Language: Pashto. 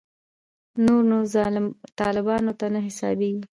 نور نو طالبانو کې نه حسابېږي.